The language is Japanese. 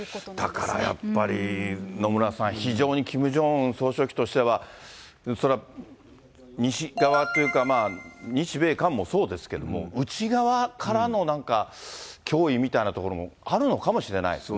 だからやっぱり、野村さん、非常にキム・ジョンウン総書記としては、それは西側というか、日米韓もそうですけど、内側からのなんか、脅威みたいなところもあるのかもしれないですね。